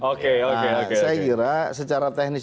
oke oke saya kira secara teknis